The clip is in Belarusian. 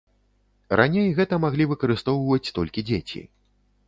Раней гэта маглі выкарыстоўваць толькі дзеці.